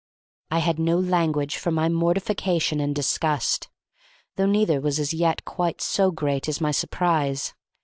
I had no language for my mortification and disgust, though neither was as yet quite so great as my surprise.